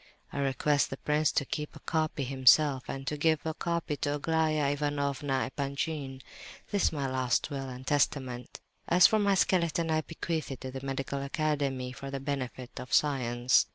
I request the prince to keep a copy himself, and to give a copy to Aglaya Ivanovna Epanchin. This is my last will and testament. As for my skeleton, I bequeath it to the Medical Academy for the benefit of science.